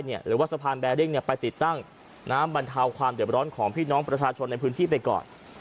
หรือว่าสะพานแบริ่งไปติดตั้งน้ำบรรเทาความเด็บร้อนของพี่น้องประชาชนในพื้นที่ไปก่อน